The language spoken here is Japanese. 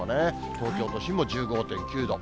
東京都心も１５．９度。